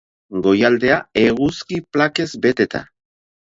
Goialdea, eguzki plakez beteta.